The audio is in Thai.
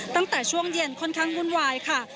ตั้งแต่ช่วงเย็นค่อนข้างวุ่นวายค่ะ